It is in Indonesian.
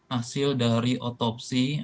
hasil dari otopsi